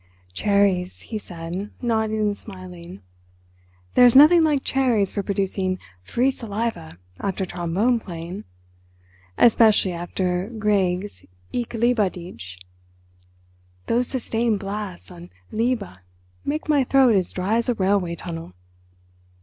"Cherries," he said, nodding and smiling. "There is nothing like cherries for producing free saliva after trombone playing, especially after Grieg's 'Ich Liebe Dich.' Those sustained blasts on 'liebe' make my throat as dry as a railway tunnel.